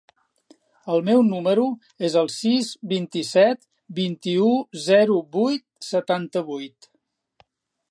El meu número es el sis, vint-i-set, vint-i-u, zero, vuit, setanta-vuit.